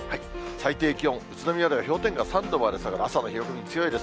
最低気温、宇都宮では氷点下３度まで、朝の冷え込み強いです。